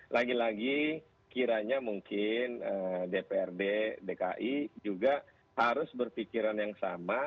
lagi lagi kiranya mungkin dprd dki juga harus berpikiran yang sama